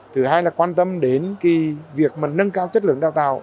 thứ hai là quan tâm đến việc nâng cao chất lượng đào tạo